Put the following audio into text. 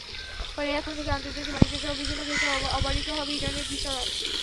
ফলে এখন থেকে আন্তর্জাতিক বাণিজ্যসহ বিভিন্ন ক্ষেত্রে অবারিত হবে ইরানের বিচরণ।